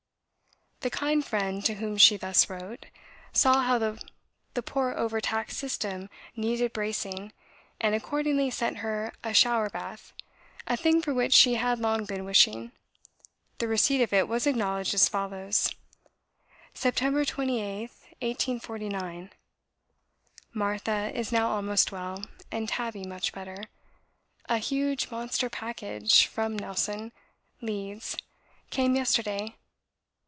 The kind friend, to whom she thus wrote, saw how the poor over taxed system needed bracing, and accordingly sent her a shower bath a thing for which she had long been wishing. The receipt of it was acknowledged as follows: "Sept. 28th, 1849. "... Martha is now almost well, and Tabby much better. A huge monster package, from 'Nelson, Leeds,' came yesterday.